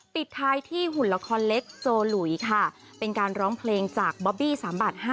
ปิดท้ายที่หุ่นละครเล็กโจหลุยค่ะเป็นการร้องเพลงจากบอบบี้๓บาท๕๐